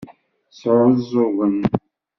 Sɛuẓẓugen.